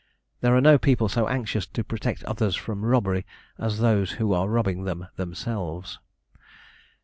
There are no people so anxious to protect others from robbery as those who are robbing them themselves.